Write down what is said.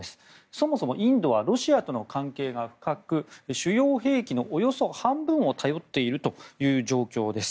そもそもインドはロシアとの関係が深く主要兵器のおよそ半分を頼っているという状況です。